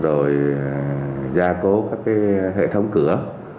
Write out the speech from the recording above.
rồi gia cố các hệ thống cửa